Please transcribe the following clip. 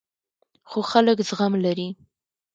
خو خلک زغم لري.